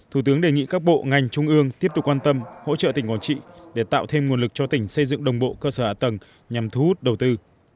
thủ tướng đề nghị các bộ ngành trung ương tiếp tục quan tâm hỗ trợ tỉnh quảng trị để tạo thêm nguồn lực cho tỉnh xây dựng đồng bộ cơ sở ả tầng nhằm thu hút đầu tư